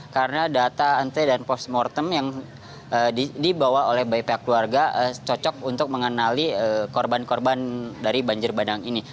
karena data antre dan post mortem yang dibawa oleh pihak keluarga cocok untuk mengenali korban korban dari banjir bandang ini